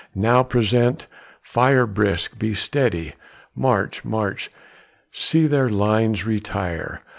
Now present, fire brisk, be steady, March, march, see their lines retire!